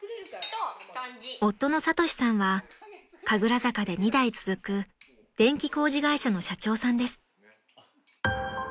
［夫の聡志さんは神楽坂で２代続く電気工事会社の社長さんです］